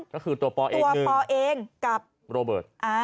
ก็คือตัวปอเองกับโรเบิร์ต